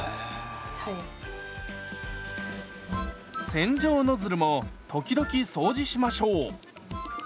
洗浄ノズルも時々掃除しましょう。